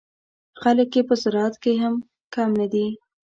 خلک یې په زراعت کې هم کم نه دي.